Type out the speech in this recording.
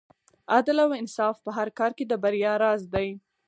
عدل او انصاف په هر کار کې د بریا راز دی.